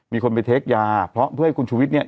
มีคนไปเทคยาเพื่อให้คุณชูวิทย์เนี่ย